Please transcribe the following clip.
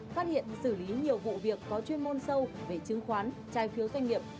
phát hiện xử lý nhiều vụ việc có chuyên môn sâu về chứng khoán trái phiếu doanh nghiệp